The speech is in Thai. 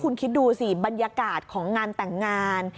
ชิ้นดูสิบรรยากาศของงานต่างงาน